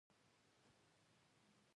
بیلابیل کلتورونه له کیسې سره ځان نښلوي.